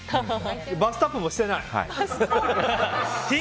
バストアップもしていない！